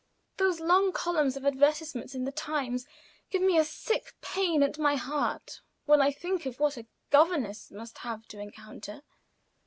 Those long columns of advertisements in the Times give me a sick pain at my heart when I think of what a governess must have to encounter.